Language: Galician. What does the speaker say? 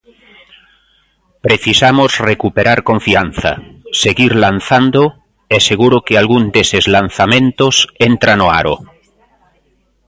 Precisamos recuperar confianza, seguir lanzando e seguro que algún deses lanzamentos entra no aro.